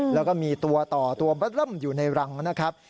แล้วก็มีตัวต่อตัวบัดเริ่มอยู่ในรังนะครับ